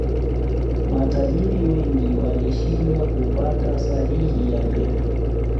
Matajiri wengi walishindwa kupata sahihi ya Pep